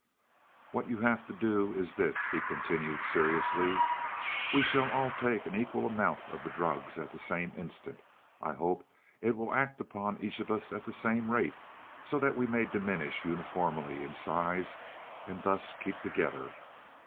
"What you have to do is this," he continued seriously. "We shall all take an equal amount of the drug at the same instant. I hope it will act upon each of us at the same rate, so that we may diminish uniformly in size, and thus keep together."